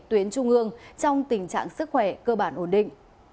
tuyến trung ương trong tình trạng sức khỏe cơ bản ổn định